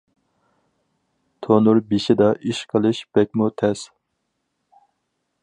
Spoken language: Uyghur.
تونۇر بېشىدا ئىش قىلىش بەكمۇ تەس.